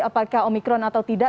apakah omikron atau tidak